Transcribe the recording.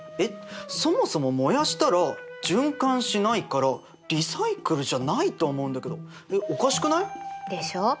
そもそも燃やしたら循環しないからリサイクルじゃないと思うんだけどおかしくない？でしょう？